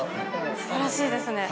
◆すばらしいですね。